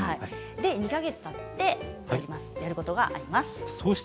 ２か月たってやることがあります。